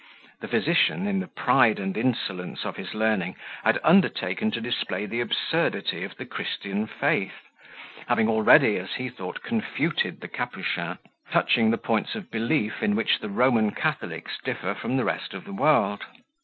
The physician, in the pride and insolence of his learning, had undertaken to display the absurdity of the Christian faith; having already, as he thought, confuted the Capuchin, touching the points of belief in which the Roman Catholics differ from the rest of the world.